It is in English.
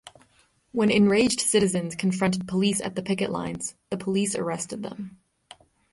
When enraged citizens confronted police at the picket lines the police arrested them.